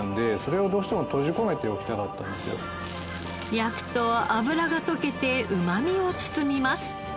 焼くと脂が溶けてうまみを包みます。